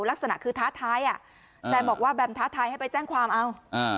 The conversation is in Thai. ลักษณะคือท้าท้ายอ่ะแซมบอกว่าแบมท้าทายให้ไปแจ้งความเอา